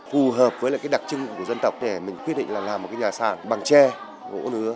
phù hợp với lại cái đặc trưng của dân tộc để mình quyết định là làm một cái nhà sản bằng tre gỗ nứa